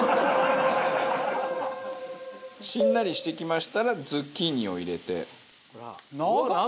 しんなりしてきましたらズッキーニを入れて。